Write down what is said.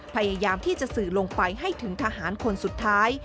พยายามที่จะสื่อลงไปให้ถึงทหารคนสุดท้าย